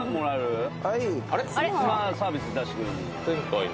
はい。